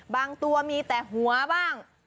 บางตัวมีแต่หัวบ้าง